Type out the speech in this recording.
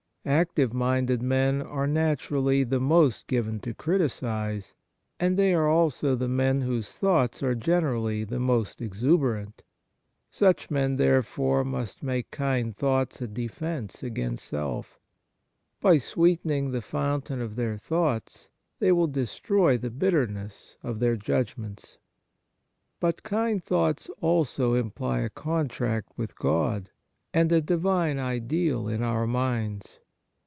Active minded men are natur ally the most given to criticise, and they are also the men whose thoughts are generally the most exuberant. Such men, therefore, must make kind thoughts a Kind Thoughis 51 defence against self. By sweetening the fountain of their thoughts they will destroy the bitterness of their judgments. But kind thoughts imply also a contact with God, and a Divine ideal in our minds.